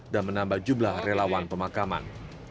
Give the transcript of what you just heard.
dan menambah jumlah relawan pemakaman